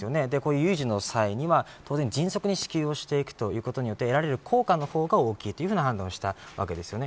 有事の際には迅速に支給をしていくということによって得られる効果の方が大きいということに反応したわけですよね。